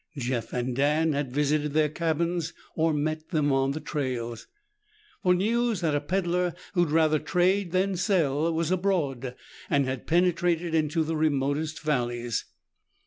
Jeff and Dan had visited their cabins or met them on the trails, for news that a peddler who'd rather trade than sell was abroad had penetrated into the remotest valleys.